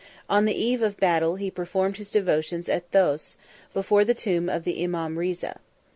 On the eve of the battle, he performed his devotions at Thous, before the tomb of the Imam Riza.